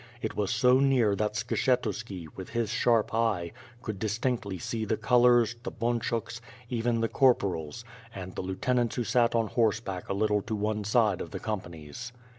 It was so near tliat Skshetuski, with his sharp eye, could distinctly see the colors, the bunchuks, even the corporals, and the lieutenants who sat on horseback a little to one side of the companies.